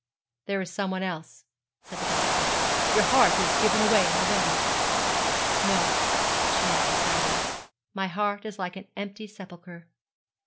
'There is some one else,' said the doctor. 'Your heart is given away already.' 'No,' she answered sadly; 'my heart is like an empty sepulchre.'